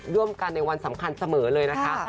ร่วมกันในวันสำคัญเสมอเลยนะคะ